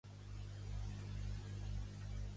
Què va fer Boann per ocultar que estava prenyada?